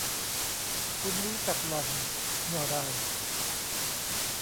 คุณรู้จักหล่อน เมื่อไหร่ ?